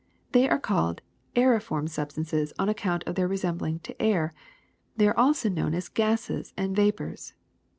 They are called aeriform substances on account of their resemblance to air; they are also known as gases and vapors.